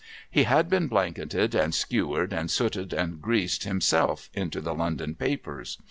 He had even blanketed and skewered and sooted and greased himself, into the London papers.